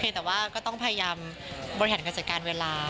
แต่ว่าก็ต้องพยายามบริหารการจัดการเวลา